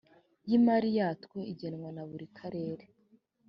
y imari yatwo igenwa na buri karere